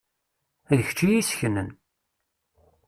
D kečč i y-isseknen.